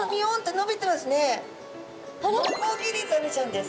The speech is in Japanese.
ノコギリザメちゃんです。